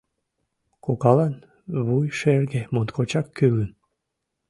Кокалан вуйшерге моткочак кӱлын...